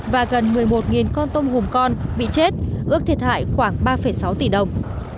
và gần một mươi một con tôm hùm con bị chết ước thiệt hại khoảng ba sáu tỷ đồng